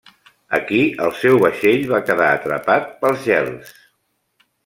Aquí el seu vaixell va quedar atrapat pels gels.